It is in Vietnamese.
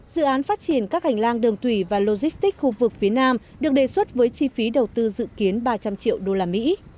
dự án phát triển các hành lang đường thủy và logistics khu vực phía nam được đề xuất với chi phí đầu tư dự kiến ba trăm linh triệu đô la mỹ